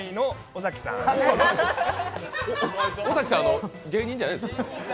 尾崎さん、芸人じゃないですよ。